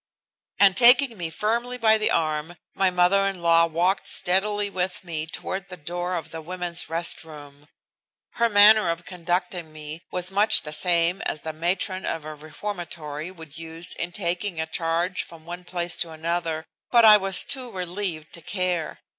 And taking me firmly by the arm my mother in law walked steadily with me toward the door of the women's rest room. Her manner of conducting me was much the same as the matron of a reformatory would use in taking a charge from one place to another, but I was too relieved to care.